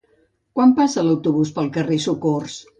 Quan passa l'autobús pel carrer Socors?